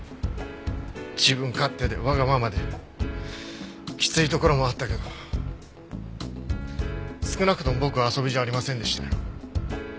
自分勝手でわがままできついところもあったけど少なくとも僕は遊びじゃありませんでしたよ。